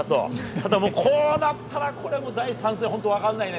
ただ、こうなったらこれは第３戦本当分からないね。